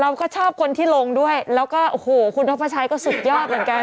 เราก็ชอบคนที่ลงด้วยแล้วก็โอ้โหคุณนพชัยก็สุดยอดเหมือนกัน